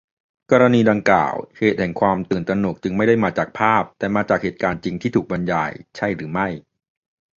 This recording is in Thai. กรณีดังกล่าว เหตุแห่งความตื่นตระหนกจึงไม่ได้มาจากภาพ แต่มาจากเหตุการณ์จริงที่ถูกบรรยาย ใช่หรือไม่